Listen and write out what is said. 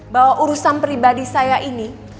bahwa urusan pribadi saya ini